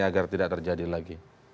agar tidak terjadi lagi